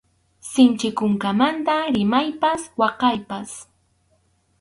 Sinchi kunkamanta rimaypas waqaypas.